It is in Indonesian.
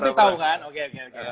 tapi tahu kan oke oke